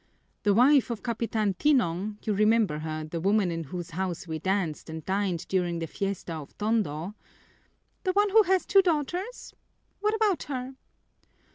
"The wife of Capitan Tinong, you remember her, the woman in whose house we danced and dined during the fiesta of Tondo " "The one who has two daughters? What about her?"